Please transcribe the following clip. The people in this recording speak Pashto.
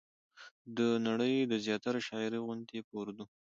د نړۍ د زياتره شاعرۍ غوندې په اردو